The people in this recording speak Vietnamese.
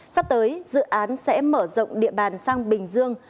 sắp tới dự án sẽ mở rộng địa bàn sang bình dương